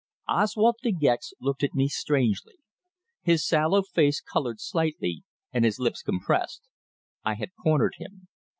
Oswald De Gex looked at me strangely. His sallow face coloured slightly, and his lips compressed. I had cornered him.